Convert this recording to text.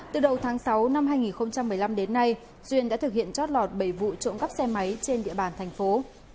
từ đầu tháng sáu năm hai nghìn một mươi năm đến nay duyên đã thực hiện chót lọt bảy vụ trộm cắp xe máy trên địa bàn thành phố